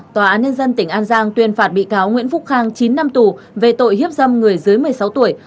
tòa án nhân dân tỉnh an giang tuyên phạt bị cáo nguyễn phúc khang chín năm tù về tội hiếp dâm người dưới một mươi sáu tuổi